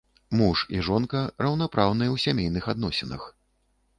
Муж і жонка раўнапраўныя ў сямейных адносінах.